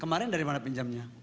kemarin dari mana pinjamnya